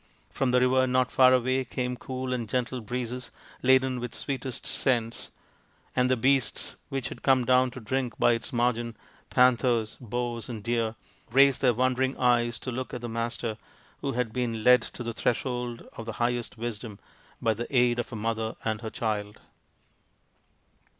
From the river not far away came cool and gentle breezes laden with sweetest scents, and the beasts which had come down to drink by its margin panthers, boars, and deer raised their wondering eyes to look at the Master who had been led to the threshhold of the highest wisdom by the aid of a mother and her child.